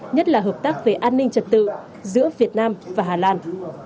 nhất là hợp tác về an ninh trật tự giữa việt nam và hà lan